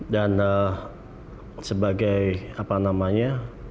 dan sebagai apa namanya